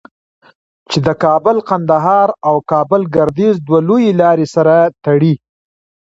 چې د کابل قندهار او کابل گردیز دوه لویې لارې سره تړي.